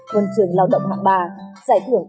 quân trường lao động hạng ba